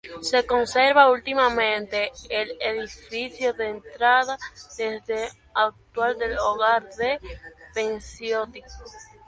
Se conserva únicamente el edificio de entrada, sede actual del Hogar del Pensionista.